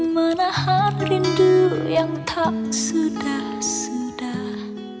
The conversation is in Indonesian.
menahan rindu yang tak sudah sudah